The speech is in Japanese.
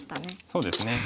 そうですね。